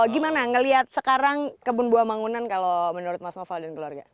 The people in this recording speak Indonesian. gimana ngelihat sekarang kebun buah mangunan kalau menurut mas noval dan keluarga